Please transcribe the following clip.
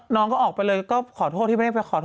นางก็ออกไปเลยขอโทษที่ไม่ได้ไป